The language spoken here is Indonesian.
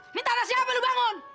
ini tanah siapa udah bangun